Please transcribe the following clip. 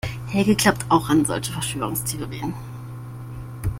Helge glaubt auch an solche Verschwörungstheorien.